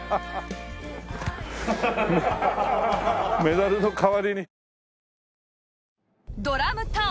メダルの代わりに。